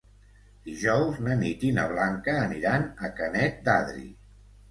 Dijous na Nit i na Blanca aniran a Canet d'Adri.